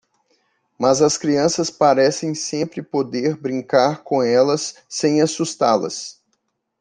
Mas as crianças parecem sempre poder brincar com elas sem assustá-las.